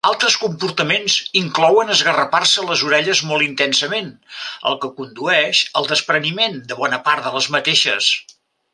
Altres comportaments inclouen esgarrapar-se les orelles molt intensament, el que condueix al despreniment de bona part les mateixes.